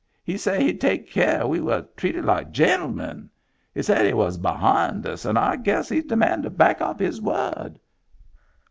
He said he'd take care we was treated like gentlemen. He said he was be hind us. And I guess he's the man to back up his word."